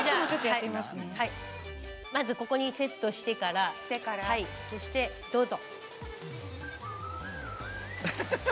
まずここにセットしてからそしてどうぞ。